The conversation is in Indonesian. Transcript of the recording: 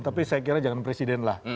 tapi saya kira jangan presiden lah